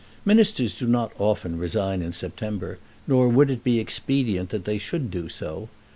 Ministers do not often resign in September, nor would it be expedient that they should do so.